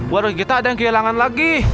baru kita ada yang kehilangan lagi